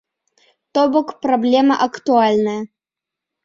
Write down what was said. То бок праблема актуальная.